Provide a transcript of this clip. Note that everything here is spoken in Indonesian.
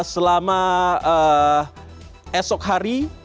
selama esok hari